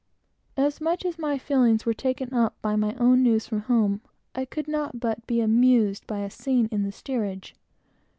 As much as my feelings were taken up by my own intelligence from home, I could not but be amused by a scene in the steerage.